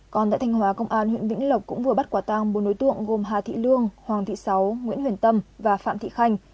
còn tại thanh hóa công an huyện vĩnh lộc cũng vừa bắt quả tang bốn đối tượng gồm hà thị lương hoàng thị sáu nguyễn huyền tâm và phạm thị khanh